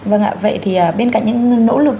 vâng ạ vậy thì bên cạnh những nỗ lực